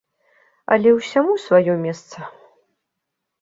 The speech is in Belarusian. Але ўсяму сваё месца.